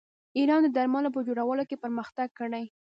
ایران د درملو په جوړولو کې پرمختګ کړی.